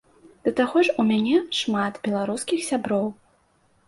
Да таго ж у мяне шмат беларускіх сяброў.